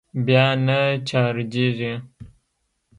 بيا نه چارجېږي.